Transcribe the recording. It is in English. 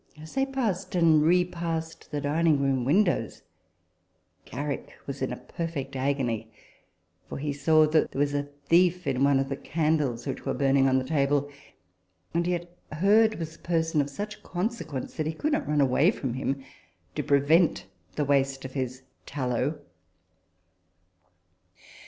As they passed and repassed the dining room windows, Garrick was in a perfect agony ; for he saw that there was a thief in one of the candles which were burning on the table ; and yet Hurd was a person of such conse quence that he could not run away from him to prevent the waste of his tallow."